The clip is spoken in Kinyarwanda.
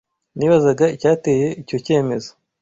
Nibazaga icyateye icyo cyemezo.